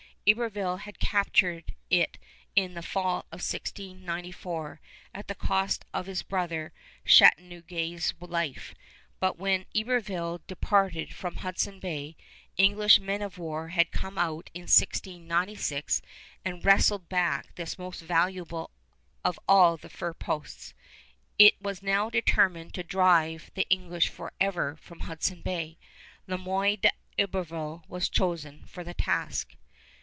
Iberville had captured it in the fall of 1694, at the cost of his brother Châteauguay's life; but when Iberville departed from Hudson Bay, English men of war had come out in 1696 and wrested back this most valuable of all the fur posts. It was now determined to drive the English forever from Hudson Bay. Le Moyne d'Iberville was chosen for the task.